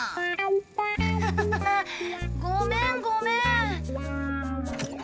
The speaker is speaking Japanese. ハハハハハごめんごめん。